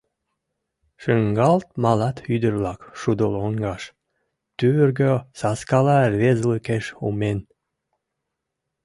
Шуҥгалт малат ӱдыр-влак шудо лоҥгаш, тӱвыргӧ саскала рвезылыкеш умен!